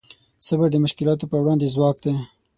صبر د مشکلاتو په وړاندې ځواک دی.